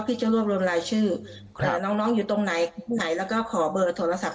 พี่จะรวบรวมรายชื่อน้องน้องอยู่ตรงไหนไหนแล้วก็ขอเบอร์โทรศัพท์